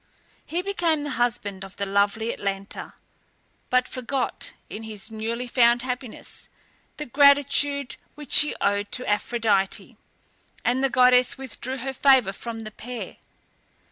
He became the husband of the lovely Atalanta, but forgot, in his newly found happiness, the gratitude which he owed to Aphrodite, and the goddess withdrew her favour from the pair.